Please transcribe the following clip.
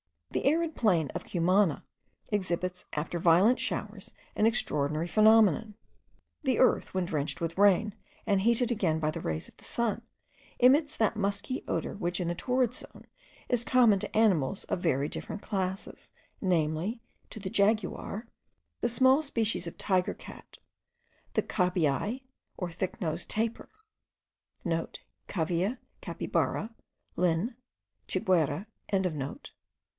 The arid plain of Cumana exhibits after violent showers an extraordinary phenomenon. The earth, when drenched with rain, and heated again by the rays of the sun, emits that musky odour which in the torrid zone, is common to animals of very different classes, namely: to the jaguar, the small species of tiger cat, the cabiai or thick nosed tapir,* (* Cavia capybara, Linn.; chiguire.)